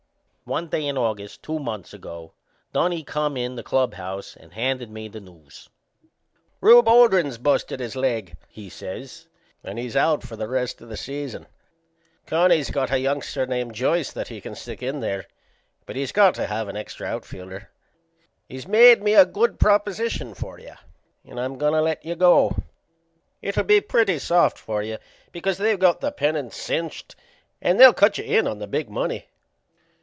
One day in August, two months ago, Dunnie come in the club house and handed me the news. "Rube Oldring's busted his leg," he says, "and he's out for the rest o' the season. Connie's got a youngster named Joyce that he can stick in there, but he's got to have an extra outfielder. He's made me a good proposition for you and I'm goin' to let you go. It'll be pretty soft for yQu, because they got the pennant cinched and they'll cut you in on the big money."